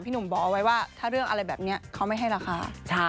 หนุ่มบอกเอาไว้ว่าถ้าเรื่องอะไรแบบนี้เขาไม่ให้ราคา